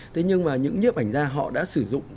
thế nhưng mà những nhấp ảnh gia họ đã sử dụng